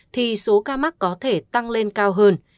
thì số ca mắc có thể tăng lên cao hơn